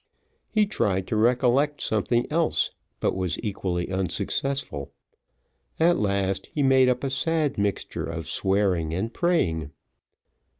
He tried to recollect something else, but was equally unsuccessful; at last, he made up a sad mixture of swearing and praying.